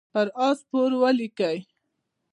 پر آس سپور ولیکئ.